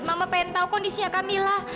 mama pengen tahu kondisinya kamila